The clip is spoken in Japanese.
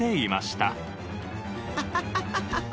ハハハハッ！